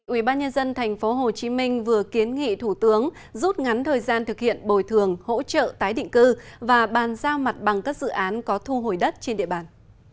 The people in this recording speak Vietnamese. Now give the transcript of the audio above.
ubnd tp hcm vừa kiến nghị thủ tướng rút ngắn thời gian thực hiện bồi thường hỗ trợ tái định cư và bàn giao mặt bằng các dự án có thu hồi đất trên địa bàn